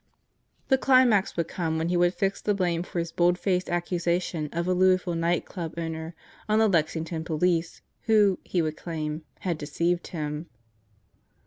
The climax would come when he would fix the blame for his bold faced accusation of the Louisville Night Club owner on the Lexington Police, who, he would claim, had deceived him.